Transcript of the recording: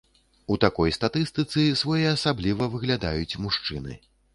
У такой статыстыцы своеасабліва выглядаюць мужчыны.